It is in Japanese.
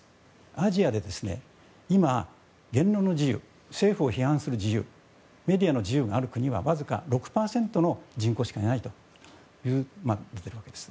アジアで今、言論の自由政府を批判する自由メディアの自由がある国はわずか６％の人口しかいないと出ているわけです。